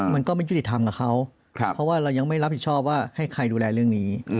มันก็ไม่ยุติธรรมกับเขาเพราะว่าเรายังไม่รับผิดชอบว่าให้ใครดูแลเรื่องนี้